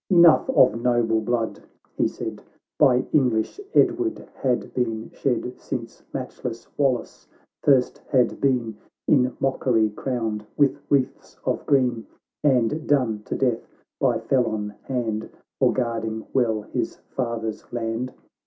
— "Enough of noble blood," he said, " By English Edward had been shed, Since matchless Wallace first had been In mockery crowned with wreaths of green, And done to death by felon hand For guarding well his father's land.